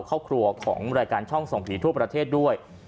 ครอบครัวของรายการช่องส่องผีทั่วประเทศด้วย